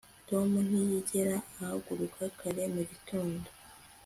tom ntiyigera ahaguruka kare mu gitondo